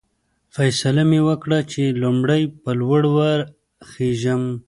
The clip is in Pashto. فیصله مې وکړل چې لومړی به لوړ وخېژم.